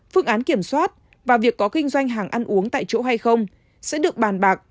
phương án kiểm soát và việc có kinh doanh hàng ăn uống tại chỗ hay không sẽ được bàn bạc